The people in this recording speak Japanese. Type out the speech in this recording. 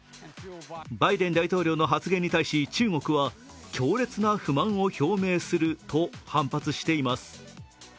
バイデン大統領の発言に対し、中国は強烈な不満を表明すると反発しています。